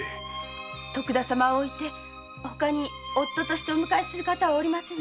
徳田様のほかに夫としてお迎えする方はおりませぬ。